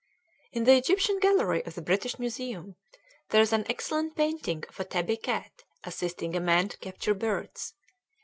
In the Egyptian gallery of the British Museum there is an excellent painting of a tabby cat assisting a man to capture birds.